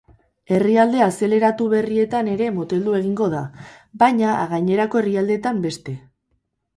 Herrialde azelaratu berrietan ere moteldu egingo da, baina gainerako herrialdetan beste.